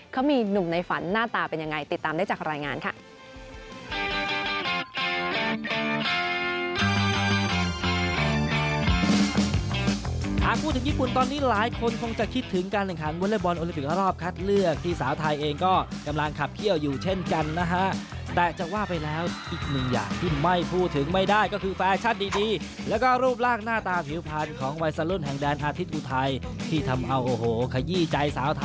เขามีหนุ่มในฝันหน้าตาเป็นยังไงติดตามได้จากรายงานค่ะ